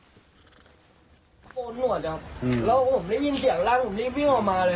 โกนหนวดครับแล้วผมได้ยินเสียงลั่งของนี่วิ่งออกมาเลยครับ